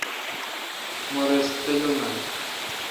مہ رس تلم اؘ۔